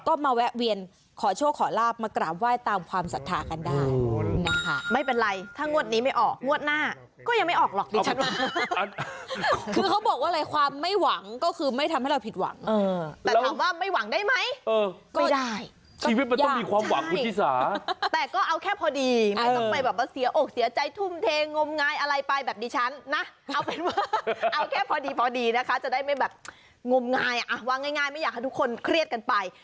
ก็มาแวะเวียนขอโชคขอลาบมากรามไหว้ตามความสัทธากันได้โอ้โหโอ้โหโอ้โหโอ้โหโอ้โหโอ้โหโอ้โหโอ้โหโอ้โหโอ้โหโอ้โหโอ้โหโอ้โหโอ้โหโอ้โหโอ้โหโอ้โหโอ้โหโอ้โหโอ้โหโอ้โหโอ้โหโอ้โหโอ้โหโอ้โหโอ้โหโอ้โหโอ้โหโอ้โห